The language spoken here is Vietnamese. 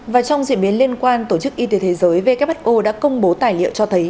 và trong diễn biến liên quan tổ chức y tế thế giới who đã công bố tài liệu cho thấy